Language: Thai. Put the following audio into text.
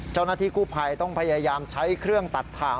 เจ้าหน้าที่กู้ภัยต้องพยายามใช้เครื่องตัดถ่าง